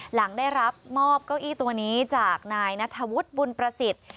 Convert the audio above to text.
หลังได้รับมอบเก้าอี้ตัวนี้จากนายนัทธวุฒิบุญประสิทธิ์